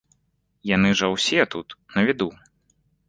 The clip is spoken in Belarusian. Яны жа ўсе тут, на віду.